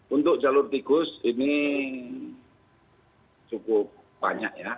untuk jalur tikus ini cukup banyak ya